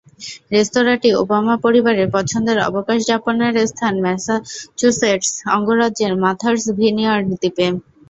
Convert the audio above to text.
রেস্তোরাঁটি Obama পরিবারের পছন্দের অবকাশ যাপনের স্থান ম্যাসাচুসেটস অঙ্গরাজ্যের মার্থাস ভিনিয়ার্ড দ্বীপে।